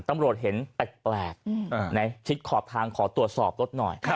ตำรวจเห็นแปลกในชิดขอบทางขอตรวจสอบรถหน่อย